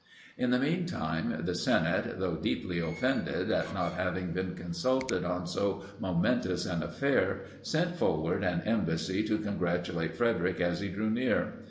In the mean time, the senate, though deeply offended at not having been consulted on so momentous an affair, sent forward an embassy to congratulate Frederic as he drew near.